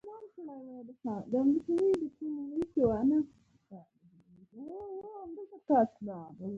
زه وارخطا شوم او حواس مې بایللو ته نږدې وو